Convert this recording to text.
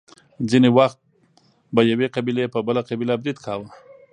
ځینې وخت به یوې قبیلې په بله قبیله برید کاوه.